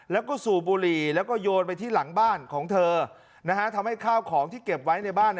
แล้วก็สูบบุหรี่แล้วก็โยนไปที่หลังบ้านของเธอทำให้ข้าวของที่เก็บไว้ในบ้าน